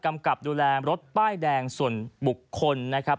กำกับดูแลรถป้ายแดงส่วนบุคคลนะครับ